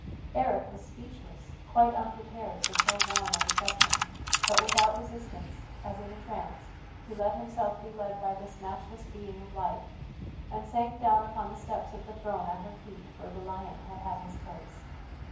Eric was speechless, quite unprepared for so warm a reception; but without resistance, as in a trance, he let himself be led by this matchless being of light, and sank down upon the steps of the throne at her feet where the lion had had his place.